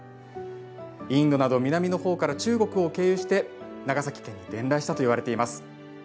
インドなど南のほうから中国を経由して長崎県に伝来したといわれています。